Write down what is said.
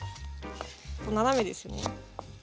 斜めですよね。